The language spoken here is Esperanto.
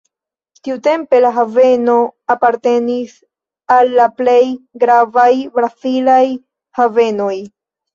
Tiutempe la haveno apartenis al la plej gravaj brazilaj havenoj.